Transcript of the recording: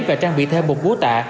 và trang bị thêm một búa tạ